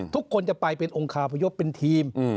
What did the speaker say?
ทุกคนจะไปเป็นองคาพยพเป็นทีม